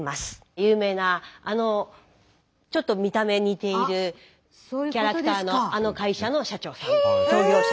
有名なあのちょっと見た目似ているキャラクターのあの会社の社長さん創業者。